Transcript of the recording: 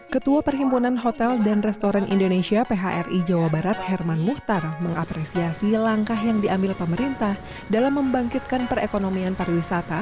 ketua perhimpunan hotel dan restoran indonesia phri jawa barat herman muhtar mengapresiasi langkah yang diambil pemerintah dalam membangkitkan perekonomian pariwisata